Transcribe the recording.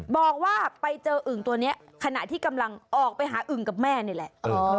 บอกว่าไปเจออึ่งตัวนี้ขณะที่กำลังออกไปหาอึ่งกับแม่นี่แหละ